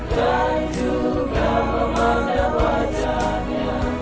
dan juga memandang wajahnya